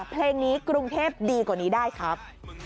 เพลงนี้กรุงเทพดีกว่านี้ได้ครับ